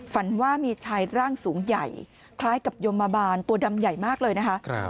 ฝันว่ามีชายร่างสูงใหญ่คล้ายกับยมบาบาลตัวดำใหญ่มากเลยนะคะ